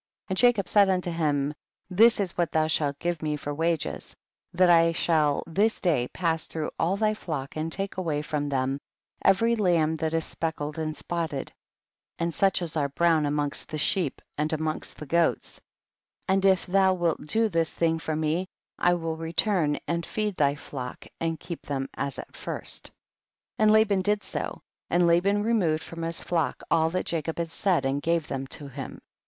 26. And Jacob said unto him, this is what thou shalt give me for wages, that I shall this day pass through all thy flock and take away from them every lamb that is speck led and spotted and such as are brown amongst the sheep, and amongst the goats, and if thou wilt do this thing for me I will return and feed thy flock and keep them as at first. 27. And Laban did so, and Laban removed from his flock all that Jacob had said and gave them to him.